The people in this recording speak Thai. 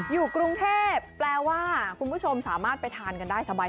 อยู่กรุงเทพแปลว่าคุณผู้ชมสามารถไปทานกันได้สบาย